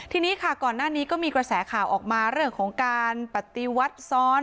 ทีนี้ค่ะก่อนหน้านี้ก็มีกระแสข่าวออกมาเรื่องของการปฏิวัติซ้อน